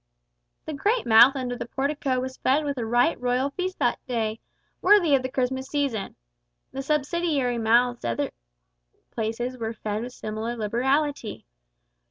The great mouth under the portico was fed with a right royal feast that day worthy of the Christmas season! The subsidiary mouths elsewhere were fed with similar liberality.